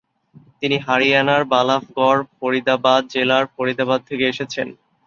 তিনি হরিয়ানার, বালাভগড়, ফরিদাবাদ জেলার, ফরিদাবাদ থেকে এসেছেন।